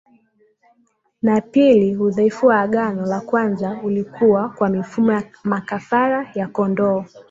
na pili udhaifu wa agano la kwanza ulikuwa kwa mifumo ya makafara ya kondoo